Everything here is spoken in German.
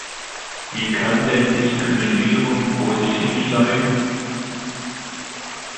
Wie kann denn Diskriminierung positiv sein?